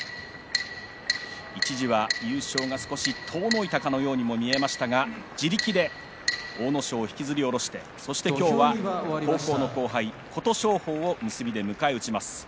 一時は優勝が少し遠のいたかに見えましたが自力で阿武咲を引きずり下ろして今日は高校の後輩、琴勝峰を結びで迎えます。